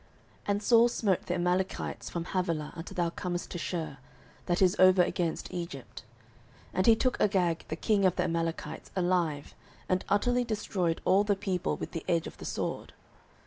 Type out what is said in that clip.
09:015:007 And Saul smote the Amalekites from Havilah until thou comest to Shur, that is over against Egypt. 09:015:008 And he took Agag the king of the Amalekites alive, and utterly destroyed all the people with the edge of the sword.